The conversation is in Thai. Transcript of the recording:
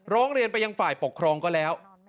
ร้องเรียนไปยังฝ่ายปกครองก็แล้ว